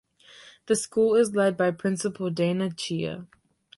The school is led by Principal Dayna Chia.